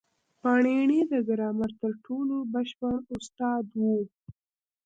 پاڼيڼى د ګرامر تر ټولو بشپړ استاد وو.